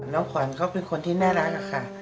น้องขวัญเขาเป็นคนที่น่ารักอะค่ะ